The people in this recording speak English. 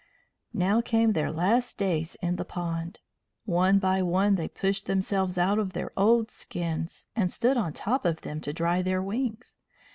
Now came their last days in the pond. One by one they pushed themselves out of their old skins, and stood on top of them to dry their wings.